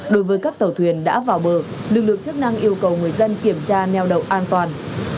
đối với các tàu thuyền đã vào bờ lực lượng chức năng yêu cầu người dân kiểm tra neo đậu an toàn